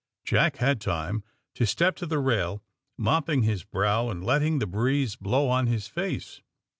Jack had time to step to the rail, mopping his brow and letting the breeze blow on his face.